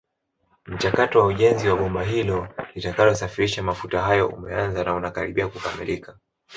Mchakato wa ujenzi wa bomba hilo litakalosafirisha mafuta hayo umeanza na unakaribia kukamilika